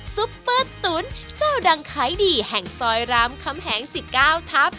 ซุปเปอร์ตุ๋นเจ้าดังขายดีแห่งซอยรามคำแหง๑๙ทับ